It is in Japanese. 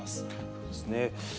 そうですね。